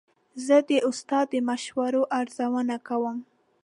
زه د استاد د مشورو ارزونه کوم.